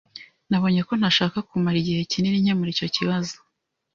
Nabonye ko ntashakaga kumara igihe kinini nkemura icyo kibazo.